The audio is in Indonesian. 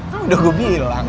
kan udah gue bilang